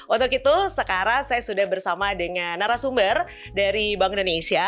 untuk itu sekarang saya sudah bersama dengan narasumber dari bank indonesia